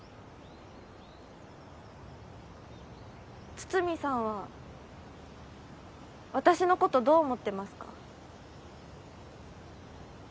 筒見さんは私のことどう思ってますか？